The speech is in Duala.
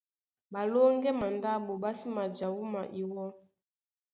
Ɓalóŋgɛ́ mandáɓo ɓá sí maja wúma iwɔ́,